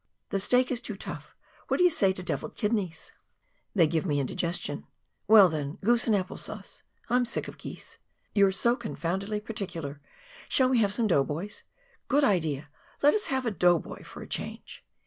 " The steak is too tough ; what do you say to devilled kidneys ?"" They give me indigestion." " "Well, then — goose and apple sauce ?" "I'm sick of geese." " You're so confoundedly particular ; shall we have some dough boys ?"*' Good idea ! Let us have a dough boy for a change."